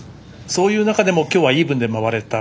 そういう中でも今日はイーブンで回れた。